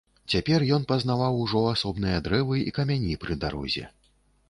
Цяпер ён пазнаваў ужо асобныя дрэвы і камяні пры дарозе.